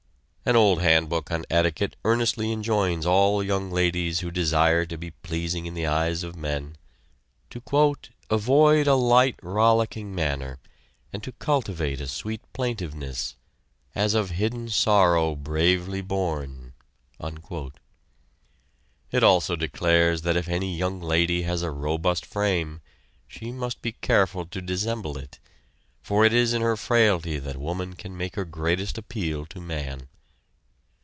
An old handbook on etiquette earnestly enjoins all young ladies who desire to be pleasing in the eyes of men to "avoid a light rollicking manner, and to cultivate a sweet plaintiveness, as of hidden sorrow bravely borne." It also declares that if any young lady has a robust frame, she must be careful to dissemble it, for it is in her frailty that woman can make her greatest appeal to man.